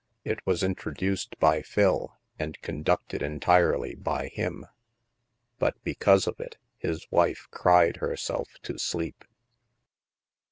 It was introduced by Phil and conducted entirely by him. But because of it, his wife cried herself to sleep.